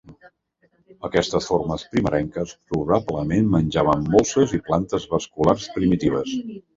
Aquestes formes primerenques probablement menjaven molses i plantes vasculars primitives.